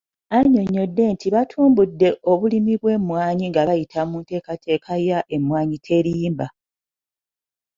Annyonnyodde nti batumbudde obulimi bw'emmwanyi nga bayita mu nteekateeka ya Emmwanyi Terimba